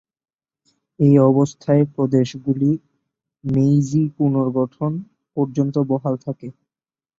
এই অবস্থায় প্রদেশগুলি মেইজি পুনর্গঠন পর্যন্ত বহাল থাকে।